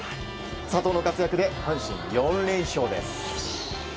佐藤の活躍で阪神、４連勝です。